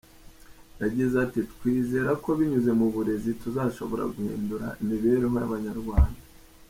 Yagize ati “Twizera ko binyuze mu burezi tuzashobora guhindura imibereho y’Abanyarwanda.